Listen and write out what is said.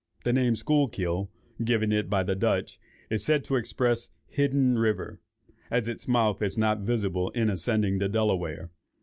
The name of Schuylkill, given it by the Dutch, is said to express "Hidden River," as its mouth is not visible in ascending the Delaware.